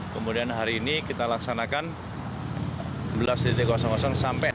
kemudian hari ini kita laksanakan sebelas sampai